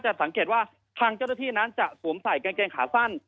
จะสังเกตว่าทางเจ้าติดนั้นจะสวมใส่แกงคาสั้น